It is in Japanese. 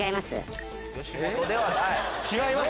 「違います」